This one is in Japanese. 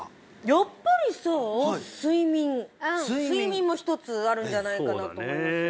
やっぱりさ睡眠も一つあるんじゃないかなと思いますよね